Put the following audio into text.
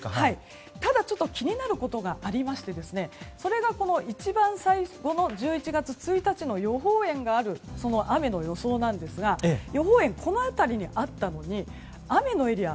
ただ、気になることがありましてそれが、１１月１日の予報円がある雨の予想なんですが予報円、この辺りにあったのに雨のエリア